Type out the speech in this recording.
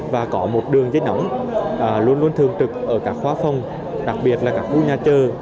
và có một đường giấy nóng luôn luôn thường trực ở các khóa phòng đặc biệt là các khu nhà chơi